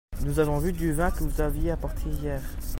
Nous avons bu du vin que vous aviez apporté hier.